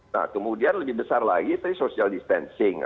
nah kemudian lebih besar lagi tadi social distancing